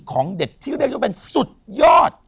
ของเด็ดที่เรียกได้เป็นสุดยอด